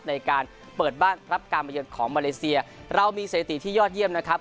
ในการเปิดบ้านรับการมาเยือนของมาเลเซียเรามีสถิติที่ยอดเยี่ยมนะครับ